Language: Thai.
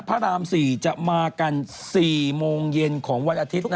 พระราม๔จะมากัน๔โมงเย็นของวันอาทิตย์